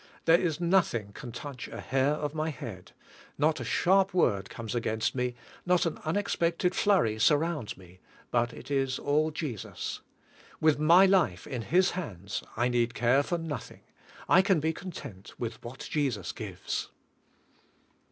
There is nothing can touch a hair of my head. Not a sharp word 110 THE COMPLETE SURRENDER comes against me; not an unexpected flurry sur rounds me, but it is all Jecus. With my life in His hands, I need care for nothing. I can be content with what Jesus gives.